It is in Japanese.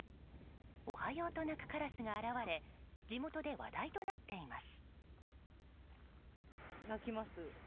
おはようと鳴くカラスが現れ地元で話題となっています。